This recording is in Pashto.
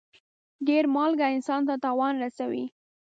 ډېر مالګه انسان ته تاوان رسوي.